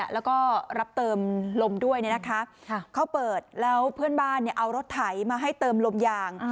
แล้วก็รับเติมลมด้วยเขาเปิดแล้วเพื่อนบ้านเอารถไถมาให้เติมลมยาง